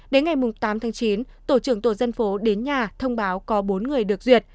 đến ngày tám tháng chín tổ trưởng tổ dân phố đến nhà thông báo có bốn người được duyệt